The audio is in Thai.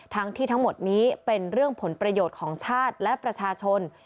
ทั้งที่ทั้งหมดนี้เป็นเรื่องผลประโยชน์ของชาติและประชาชน